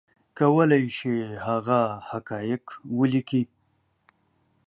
کولی شي هغه حقایق ولیکي